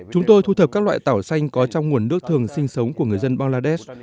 chúng tôi thu thập các loại tảo xanh có trong nguồn nước thường sinh sống của người dân bangladesh